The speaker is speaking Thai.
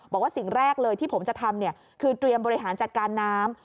บอกว่าสิ่งแรกเลยที่ผมจะทำคือเตรียมบริหารจัดการน้ำ